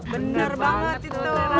bener banget itu